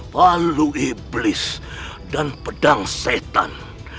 palu iblis dan pedang setan